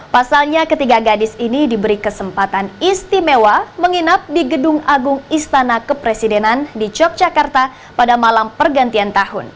pasalnya ketiga gadis ini diberi kesempatan istimewa menginap di gedung agung istana kepresidenan di yogyakarta pada malam pergantian tahun